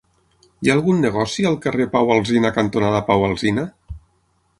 Hi ha algun negoci al carrer Pau Alsina cantonada Pau Alsina?